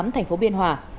tp biên hòa